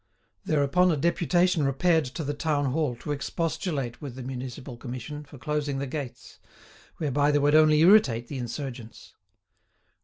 Thereupon a deputation repaired to the town hall to expostulate with the Municipal Commission for closing the gates, whereby they would only irritate the insurgents.